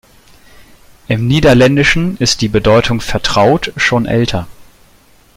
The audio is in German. Im Niederländischen ist die Bedeutung „vertraut“ schon älter.